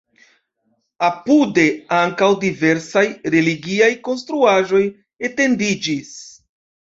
Apude ankaŭ diversaj religiaj konstruaĵoj etendiĝis.